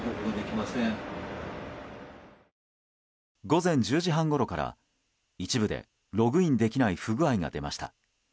午前１０時半ごろから一部でログインできない不具合が出ました。